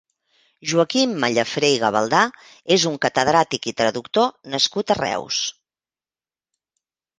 Joaquim Mallafrè i Gavaldà és un catedràtic i traductor nascut a Reus.